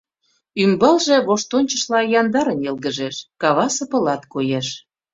Ӱмбалже воштончышла яндарын йылгыжеш, кавасе пылат коеш.